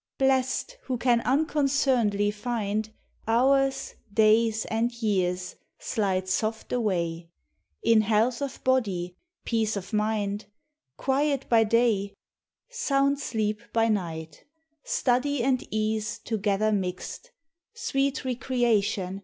Blest, who can unconcernedly find Hours, days, and years slide soft away In health of body, |>eace of mind, Quiet by day, Sound sleep by night; study and ease Together mixed; sweet recreation.